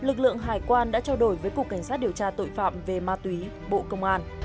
lực lượng hải quan đã trao đổi với cục cảnh sát điều tra tội phạm về ma túy bộ công an